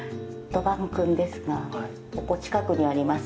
「どばんくん」ですが、ここ、近くにあります